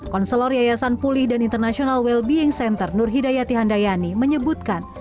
konselor yayasan pulih dan international well being center nur hidayati handayani menyebutkan